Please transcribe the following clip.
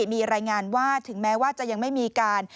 มีรายงานว่าถึงแม้ว่าจะยังไม่มีการ